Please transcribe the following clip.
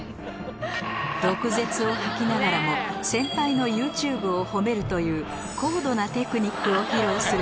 毒舌を吐きながらも先輩のＹｏｕＴｕｂｅを褒めるという高度なテクニックを披露する